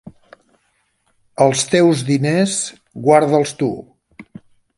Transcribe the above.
Els teus diners, guarda'ls tu.